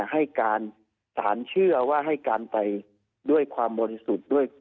ให้การสาธารณ์เชื่อว่าให้การไปด้วยความมานิสชุด